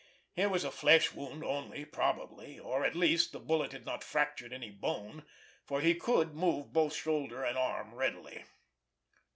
It was a flesh wound only, probably; or, at least, the bullet had not fractured any bone, for he could move both shoulder and arm readily.